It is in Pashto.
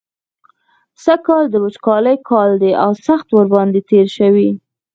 سږکال د وچکالۍ کال دی او سخت ورباندې تېر شوی.